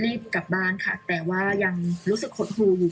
รีบกลับบ้านค่ะแต่ว่ายังรู้สึกหดหูอยู่